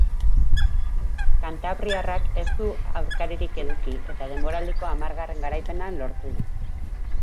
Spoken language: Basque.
Kantabriarrak ez du aurkaririk eduki eta denboraldiko hamargarren garaipena lortu du.